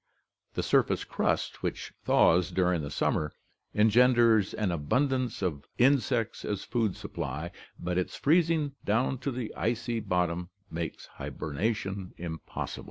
The sur face crust which thaws during the summer, engenders an abun dance of insects as food supply, but its freezing down to the icy bottom makes hibernation impossible" (Gadow).